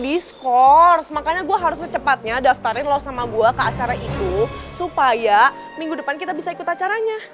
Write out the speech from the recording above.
diskors makanya gue harus secepatnya daftarin lo sama gue ke acara itu supaya minggu depan kita bisa ikut acaranya